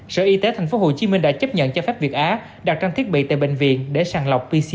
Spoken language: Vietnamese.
sở y tế tp hcm đã chấp nhận cho phép việt á đặt trang thiết bị tại bệnh viện để sàng lọc pcr